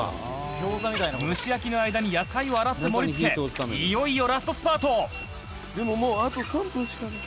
「蒸し焼きの間に野菜を洗って盛り付けいよいよラストスパート！」